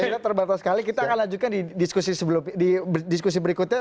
kita terbatas sekali kita akan lanjutkan di diskusi berikutnya